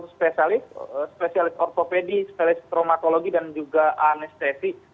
spesialis spesialis ortopedi spesialis traumatologi dan juga anestesi